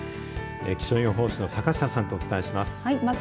気象予報士の坂下さんとお伝えします。